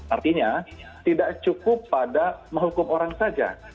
artinya tidak cukup pada menghukum orang saja